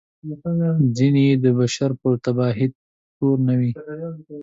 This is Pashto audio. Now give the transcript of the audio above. ځینې یې د بشر په تباهي تورنوي.